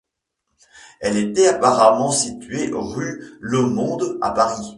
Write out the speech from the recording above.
Elle était auparavant située rue Lhomond à Paris.